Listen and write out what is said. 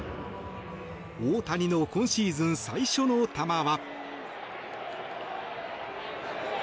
大谷の今シーズン最初の球は。